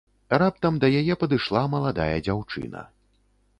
Раптам да яе падышла маладая дзяўчына.